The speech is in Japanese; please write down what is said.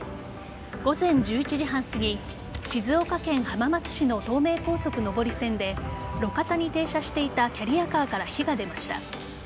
午前１１時半すぎ静岡県浜松市の東名高速上り線で路肩に停車していたキャリアカーから火が出ました。